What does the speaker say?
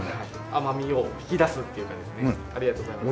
甘みを引き出すっていうかですねありがとうございます。